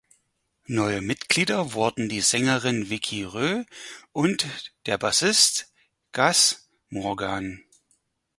Neue Mitglieder wurden die Sängerin Vicki Roe und der Bassist Gaz Morgan.